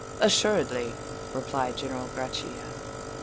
"Assuredly," replied General Grachia.